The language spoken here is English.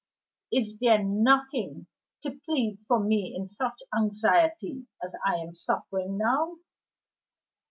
"Is there nothing to plead for me in such anxiety as I am suffering now?"